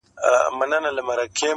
ور نیژدې یوه جاله سوه په څپو کي.!